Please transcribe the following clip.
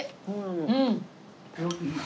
うん。